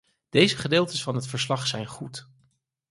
Deze gedeeltes van het verslag zijn goed.